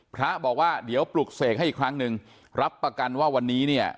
พระบอกว่าเดี๋ยวปลุกเสกให้อีกครั้งหนึ่งรับประกันว่าวันนี้เนี่ย